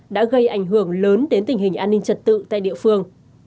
đã gây ảnh hưởng lớn đến tình hình an ninh trật tự tại địa phương